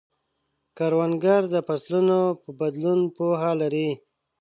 کروندګر د فصلونو په بدلون پوهه لري